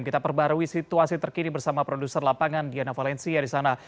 kita perbarui situasi terkini bersama produser lapangan diana valencia di sana